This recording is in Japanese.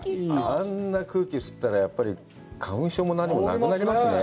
あんな空気吸ったら、花粉症も何もなくなりますね。